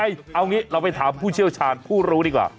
เอางี้เราไปถามผู้เชี่ยวชาญผู้รู้ดีกว่า